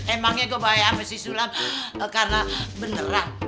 emangnya gue bahaya sama si sulam karena beneran